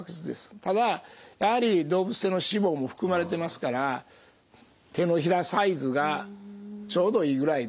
ただやはり動物性の脂肪も含まれてますから手のひらサイズ。ぐらいで。